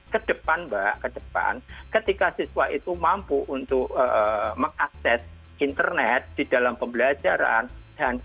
kedepan pak kedepan ketika siswa itu mampu untuk mengakses internet di dalam pembelajaran